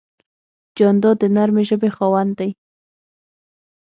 جانداد د نرمې ژبې خاوند دی.